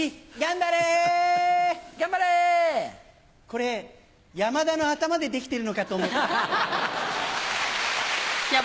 これ山田の頭で出来てるのかと思った。